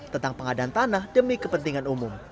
tentang pengadaan tanah demi kepentingan umum